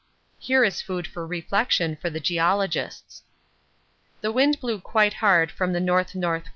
Here is food for reflection for the geologists. The wind blew quite hard from the N.N.W.